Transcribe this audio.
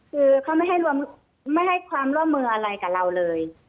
คือเขาไม่ให้ความร่วมมืออะไรกับเราเลย